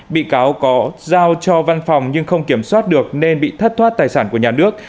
bị cáo có giao cho văn phòng nhưng không kiểm soát được nên bị thất thoát tài sản của nhà nước